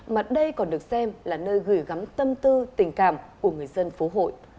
mà đây còn được xem là nơi gửi gắm tâm tư tình cảm của người dân phố hội